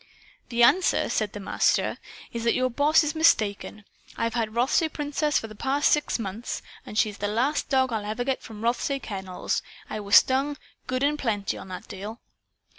"The answer," said the Master, "is that your boss is mistaken. I've had Rothsay Princess for the past six months. And she's the last dog I'll ever get from the Rothsay Kennels. I was stung, good and plenty, on that deal.